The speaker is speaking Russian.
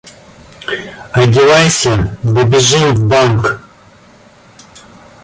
Одевайся, да бежим в банк.